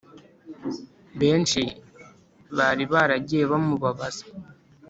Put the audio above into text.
benshi bari baragiye bamubabaza